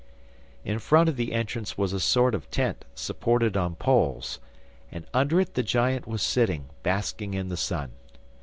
In front of the entrance was a sort of tent supported on poles, and under it the giant was sitting, basking in the sun.